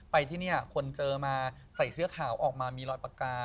ที่นี่คนเจอมาใส่เสื้อขาวออกมามีรอยปากกา